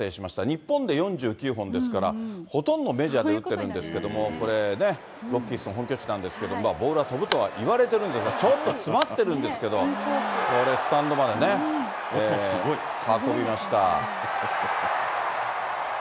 日本で４９本ですから、ほとんどメジャーで打ってるんですけど、これね、ロッキーズの本拠地なんですけど、ボールは飛ぶといわれてるんですけど、ちょっと詰まってるんですけれども、これスタンドまでね、運びました。